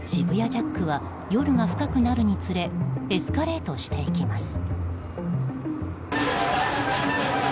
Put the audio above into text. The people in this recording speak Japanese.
ジャックは夜が深くなるにつれエスカレートしていきます。